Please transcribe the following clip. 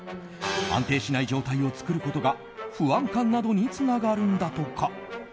安定しない状態を作ることが不安感などにつながるんだとか。